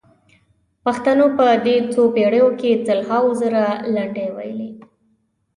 پښتنو په دې څو پېړیو کې سلهاوو زره لنډۍ ویلي.